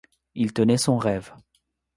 Il tenait son rêve.